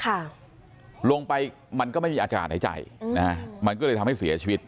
ค่ะลงไปมันก็ไม่มีอากาศหายใจอืมนะฮะมันก็เลยทำให้เสียชีวิต